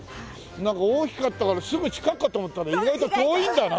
なんか大きかったからすぐ近いかと思ったら意外と遠いんだな。